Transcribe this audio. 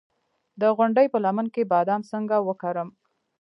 د غونډۍ په لمن کې بادام څنګه وکرم؟